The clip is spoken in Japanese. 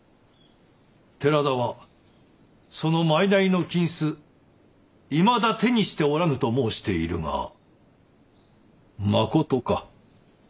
寺田はその賄の金子いまだ手にしておらぬと申しているがまことか？